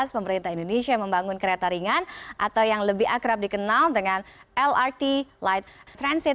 pemerintah indonesia membangun kereta ringan atau yang lebih akrab dikenal dengan lrt light transit